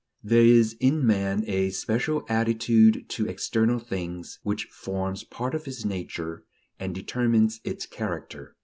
There is in man a special attitude to external things, which forms part of his nature, and determines its character.